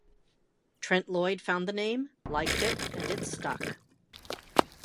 Trent Lloyd found the name, liked it, and it stuck.